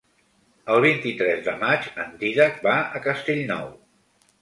El vint-i-tres de maig en Dídac va a Castellnou.